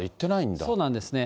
そうなんですね。